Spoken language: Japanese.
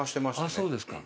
ああそうですか。